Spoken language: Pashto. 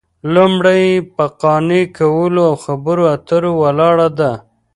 لومړۍ یې په قانع کولو او خبرو اترو ولاړه ده